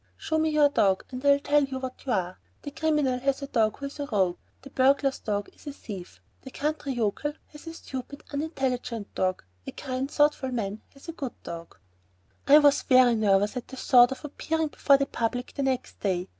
Show me your dog and I'll tell you what you are. The criminal has a dog who is a rogue. The burglar's dog is a thief; the country yokel has a stupid, unintelligent dog. A kind, thoughtful man has a good dog." I was very nervous at the thought of appearing before the public the next day.